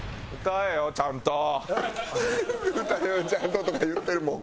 「歌えよちゃんと」とか言ってるもん。